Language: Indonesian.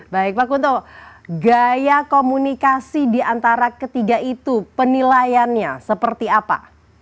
baik pak kunto gaya komunikasi diantara ketiga itu penilaiannya seperti apa